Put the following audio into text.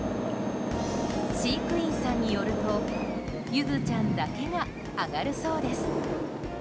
飼育員さんによるとゆずちゃんだけが上がるそうです。